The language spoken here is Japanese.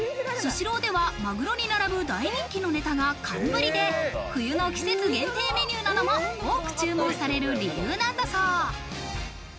スシローではまぐろに並ぶ大人気のネタが寒ぶりで、冬の季節限定メニューなども多く注文される理由なんだそう。